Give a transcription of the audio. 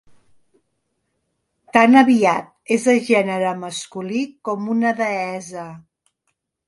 Tan aviat és de gènere masculí com una deessa.